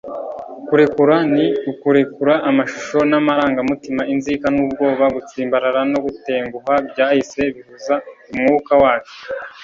kurekura ni ukurekura amashusho n'amarangamutima, inzika n'ubwoba, gutsimbarara no gutenguha byahise bihuza umwuka wacu - jack kornfield